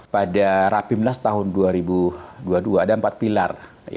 pada rapimnas tahun dua ribu dua puluh dua ada empat pilar